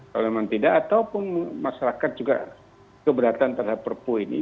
kalau memang tidak ataupun masyarakat juga keberatan terhadap perpu ini